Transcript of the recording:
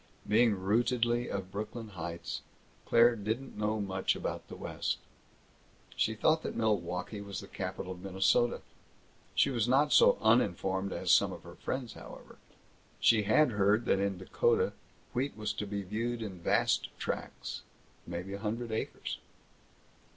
Being rootedly of Brooklyn Heights, Claire didn't know much about the West. She thought that Milwaukee was the capital of Minnesota. She was not so uninformed as some of her friends, however. She had heard that in Dakota wheat was to be viewed in vast tracts maybe a hundred acres.